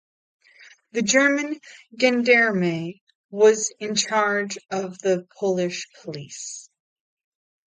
The German Gendarmerie were in charge of the Polish police.